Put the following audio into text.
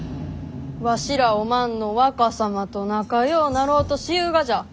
わしらおまんの若様と仲ようなろうとしゆうがじゃ。